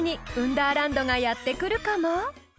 ダーランドがやって来るかも？］